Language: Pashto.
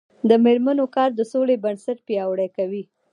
د میرمنو کار د سولې بنسټ پیاوړی کوي.